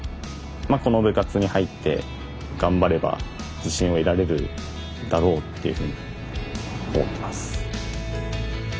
まあこの部活に入って頑張れば自信を得られるだろうっていうふうに思ってます。